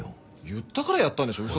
言ったからやったんでしょ。